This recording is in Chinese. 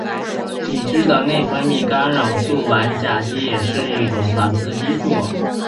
已知的内分泌干扰素烷基酚也是一种仿雌激素。